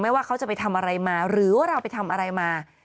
ว่าเขาจะไปทำอะไรมาหรือว่าเราไปทำอะไรมา